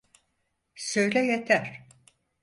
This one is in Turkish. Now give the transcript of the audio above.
Söyle yeter.